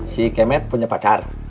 si kemet punya pacar